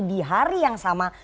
di hari yang sama